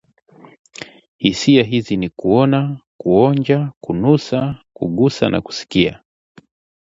Hisia hizi ni: kuona, kuonja, kunusa, kugusa na kusikia